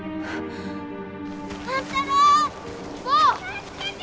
・助けて！